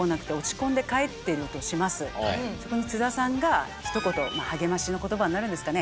そこに津田さんがひと言励ましの言葉になるんですかね